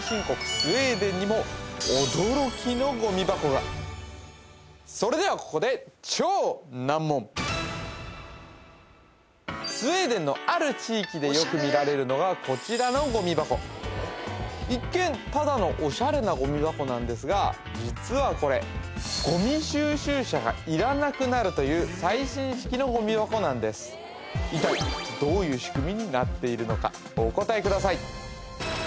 スウェーデンにも驚きのゴミ箱がそれではここでスウェーデンのある地域でよく見られるのがこちらのゴミ箱一見ただのオシャレなゴミ箱なんですが実はこれという最新式のゴミ箱なんです一体どういう仕組みになっているのかお答えください